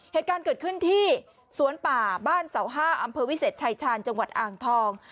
เหตุการณ์เกิดขึ้นที่สวนป่าบ้านเสาห้าอำเภอวิเศษชายชาญจังหวัดอ่างทอง